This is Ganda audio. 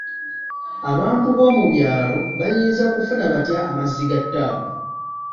Abantu b'omu byalo bayinza kufuna batya amazzi ga ttaapu?